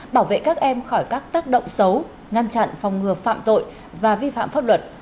bảo vệ các em khỏi các tác động xấu ngăn chặn phòng ngừa phạm tội và vi phạm pháp luật